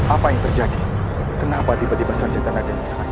apa yang terjadi kenapa tiba tiba saja ternyata ada pesawat kuat